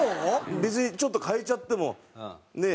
別にちょっと変えちゃってもねえ？